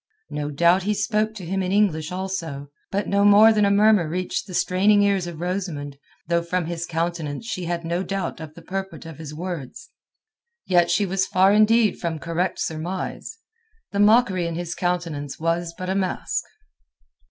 No doubt he spoke to him in English also, but no more than a murmur reached the straining ears of Rosamund, though from his countenance she had no doubt of the purport of his words. And yet she was far indeed from a correct surmise. The mockery in his countenance was but a mask.